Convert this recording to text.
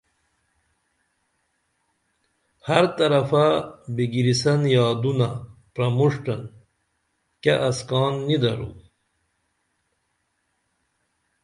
ہر طرفہ بِگریسن یادونہ پرمُݜٹن کیہ اسکان نی درو